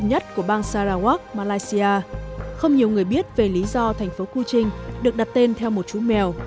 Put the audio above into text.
trên nhất của bang sarawak malaysia không nhiều người biết về lý do thành phố kuching được đặt tên theo một chú mèo